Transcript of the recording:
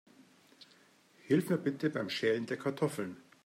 Hilf mir bitte beim Schälen der Kartoffeln.